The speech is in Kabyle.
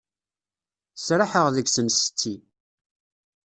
Sraḥeɣ deg-sen setti.